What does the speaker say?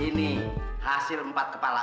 ini hasil empat kepala